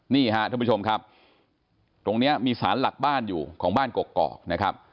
นี่ฮะท่านผู้ชมครับตรงนี้มีสารหลักบ้านอยู่ของบ้านกกอกนะครับ